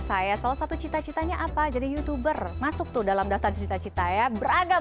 saya salah satu cita citanya apa jadi youtuber masuk tuh dalam daftar cita cita ya beragam